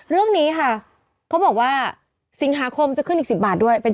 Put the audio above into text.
เรื่องนี้ค่ะเขาบอกว่าสิงหาคมจะขึ้นอีก๑๐บาทด้วย